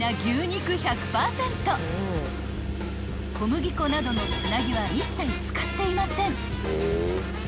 ［小麦粉などのつなぎは一切使っていません］